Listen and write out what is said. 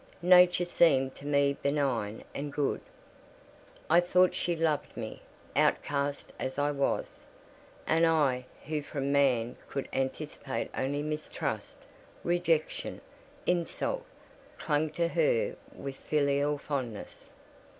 Nature seemed to me benign and good; I thought she loved me, outcast as I was; and I, who from man could anticipate only mistrust, rejection, insult, clung to her with filial fondness.